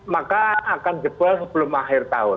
maka akan jebol sebelum akhir tahun